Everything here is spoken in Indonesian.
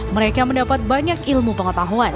mereka mendapat banyak ilmu pengetahuan